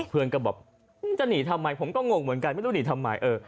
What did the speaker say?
เพื่อนก็บอกมึงจะหนีทำไมผมก็งงเหมือนกันไม่รู้หนีทำไม